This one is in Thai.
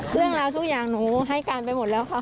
เรื่องราวทุกอย่างหนูให้การไปหมดแล้วค่ะ